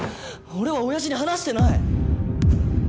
俺は親父に話してない！